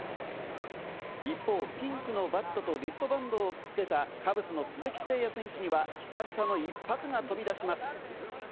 一方、ピンクのバットとリストバンドをつけたカブスの鈴木誠也選手には久々の一発が飛び出します。